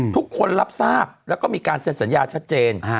ทุกคนรับทราบแล้วก็มีการเซ็นสัญญาชัดเจน